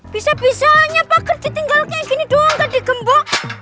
bisa bisanya pak gergi tinggal kayak gini doang gak digembok